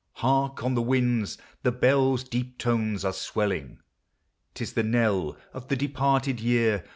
I lark ! on the winds The bell's deep tones are swelling, — 't is the knell Of the departed year.